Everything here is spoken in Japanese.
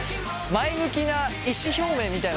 前向きな意思表明みたい